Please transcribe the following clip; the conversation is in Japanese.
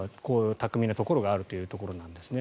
巧みなところがあるというところなんですね。